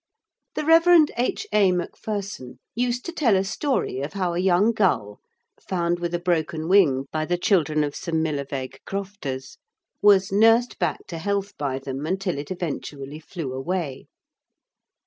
The Rev. H. A. Macpherson used to tell a story of how a young gull, found with a broken wing by the children of some Milovaig crofters, was nursed back to health by them until it eventually flew away.